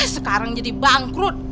sekarang jadi bangkrut